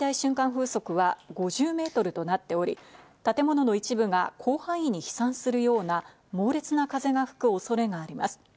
風速は５０メートルとなっており、建物の一部が広範囲に飛散するような猛烈な風が吹く恐れがあります。